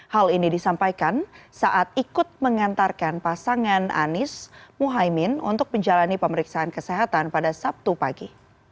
hal ini disampaikan saat ikut mengantarkan pasangan anies muhaymin untuk menjalani pemeriksaan kesehatan pada sabtu pagi